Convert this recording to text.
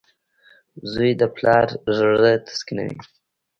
• زوی د پلار زړۀ تسکینوي.